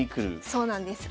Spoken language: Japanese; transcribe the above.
そうなんです。